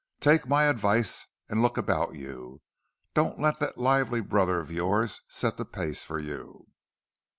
Take my advice and look about you—don't let that lively brother of yours set the pace for you."